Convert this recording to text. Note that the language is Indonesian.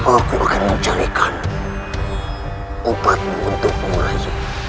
aku akan mencarikan obatmu untukmu ray